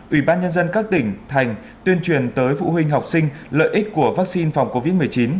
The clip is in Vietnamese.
ủy ban nhân dân các tỉnh thành tuyên truyền tới phụ huynh học sinh lợi ích của vaccine phòng covid một mươi chín